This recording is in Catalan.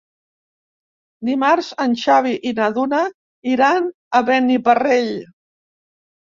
Dimarts en Xavi i na Duna iran a Beniparrell.